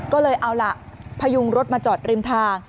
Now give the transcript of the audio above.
ก็เลยเอาล่ะพยุงรถมาจอดริมทาง